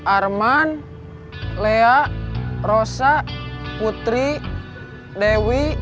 arman lea rosa putri dewi